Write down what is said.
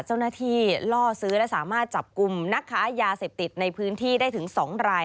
เจ้าหน้าที่ล่อซื้อและสามารถจับกลุ่มนักค้ายาเสพติดในพื้นที่ได้ถึง๒ราย